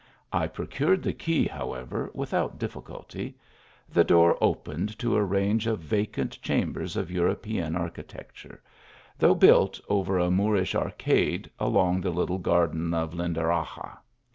I procured the key, however, without difficulty. The door opened to a range of vacant chambers of European architecture ; though built over a Moorish arcade, along the little garden of Lindaraxa.